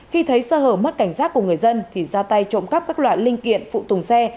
khi thấy sơ hở mất cảnh giác của người dân thì ra tay trộm cắp các loại linh kiện phụ tùng xe